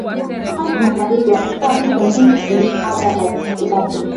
Upande wa magharibi wa mkoa mito mingi ina mwaga maji yake